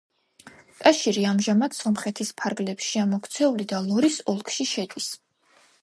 ტაშირი ამჟამად სომხეთის ფარგლებშია მოქცეულია და ლორის ოლქში შედის.